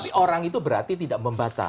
tapi orang itu berarti tidak membaca